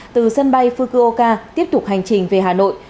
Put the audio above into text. từ sân bay fukuoka tiếp tục hành trình về hà nội